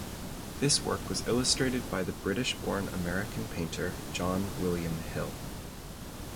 This work was illustrated by the British born American painter John William Hill.